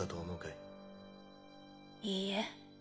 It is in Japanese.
いいえ。